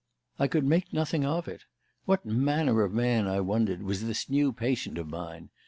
I could make nothing of it. What manner of man, I wondered, was this new patient of mine?